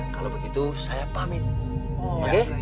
kalau begitu saya pamit